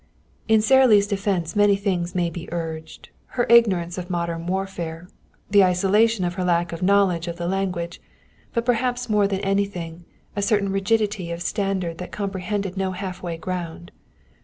In Sara Lee's defense many things may be urged her ignorance of modern warfare; the isolation of her lack of knowledge of the language; but, perhaps more than anything, a certain rigidity of standard that comprehended no halfway ground.